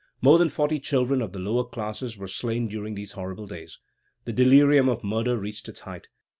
More than forty children of the lower classes were slain during these horrible days. The delirium of murder reached its height.